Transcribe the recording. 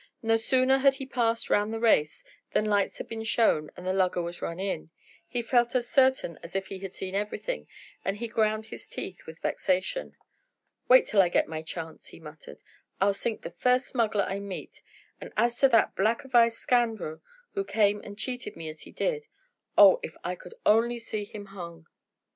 No sooner had he passed round the race, than lights had been shown, and the lugger was run in. He felt as certain as if he had seen everything, and he ground his teeth with vexation. "Wait till I get my chance!" he muttered. "I'll sink the first smuggler I meet; and as to that blackavised scoundrel who came and cheated me as he did oh, if I could only see him hung!"